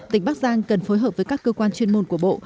tỉnh bắc giang cần phối hợp với các cơ quan chuyên môn của bộ